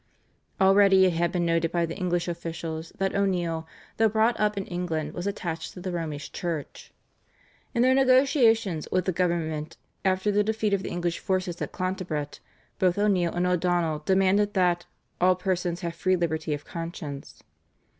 Already it had been noted by the English officials that O'Neill, though brought up in England, was attached to the "Romish Church." In their negotiations with the government after the defeat of the English forces at Clontibret, both O'Neill and O'Donnell demanded that "all persons have free liberty of conscience."